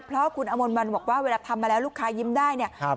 เพราะคุณอมรวันบอกว่าเวลาทำมาแล้วลูกค้ายิ้มได้เนี่ย